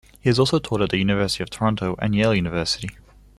He has also taught at the University of Toronto and Yale University.